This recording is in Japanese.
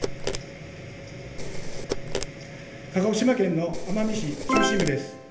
鹿児島県の奄美市中心部です